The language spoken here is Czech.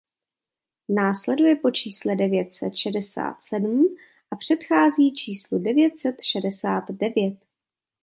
Následuje po čísle devět set šedesát sedm a předchází číslu devět set šedesát devět.